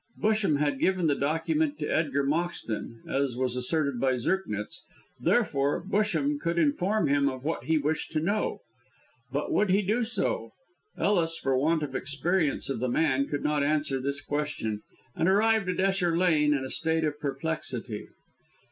Busham had given the document to Edgar Moxton, as was asserted by Zirknitz, therefore Busham could inform him of what he wished to know. But would he do so? Ellis, for want of experience of the man, could not answer this question, and arrived at Esher Lane in a state of perplexity.